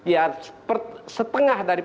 ya setengah dari